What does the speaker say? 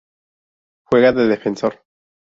Juega de Defensor.